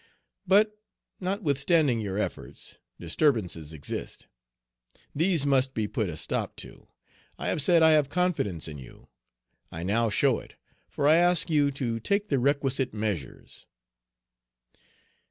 But, notwithstanding your efforts, disturbances exist. These must be put a stop to. I have said I have confidence in you; I now show it, for I ask you to take the requisite measures."